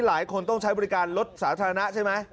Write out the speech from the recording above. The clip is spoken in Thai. หลายคนต้องใช้บริการรถสาธารณะใช่ไหม